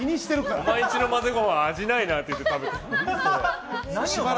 お前んちの混ぜご飯味ないなって食ってた。